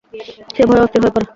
সে ভয়ে অস্থির হযে পড়ে।